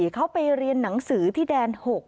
เขาไปเรียนหนังสือที่แดน๖